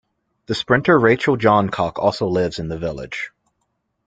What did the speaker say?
The sprinter Rachel Johncock also lives in the village.